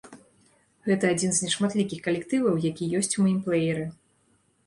Гэта адзін з нешматлікіх калектываў, які ёсць у маім плэеры.